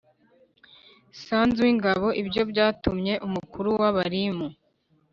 sanzu w ingabo Ibyo byatumye umukuru w abarimu